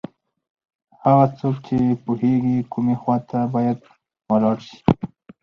هغه څوک چې پوهېږي کومې خواته باید ولاړ شي.